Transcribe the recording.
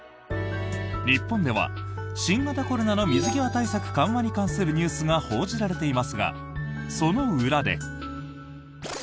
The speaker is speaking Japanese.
日本では新型コロナの水際対策緩和に関するニュースが報じられていますがその裏で。